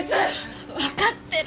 わかってる！